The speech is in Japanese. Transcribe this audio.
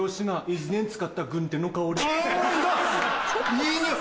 いい匂い！